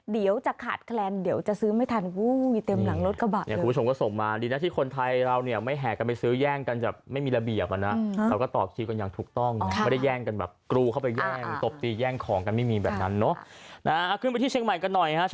เดี๋ยวจะขาดแคลนเดี๋ยวจะซื้อไม่ทันเต็มหลังรถกระบะ